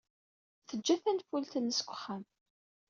Teǧǧa tanfult-nnes deg uxxam.